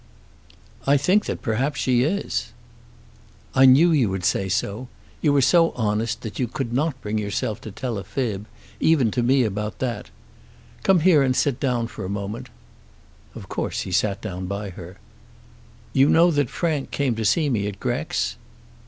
"I think that perhaps she is." "I knew you would say so. You are so honest that you could not bring yourself to tell a fib, even to me about that. Come here and sit down for a moment." Of course he sat down by her. "You know that Frank came to see me at Grex?"